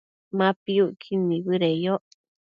Ma piucquid nibëdeyoc